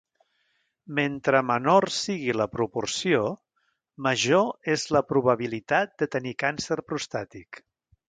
Mentre menor sigui la proporció, major és la probabilitat de tenir càncer prostàtic.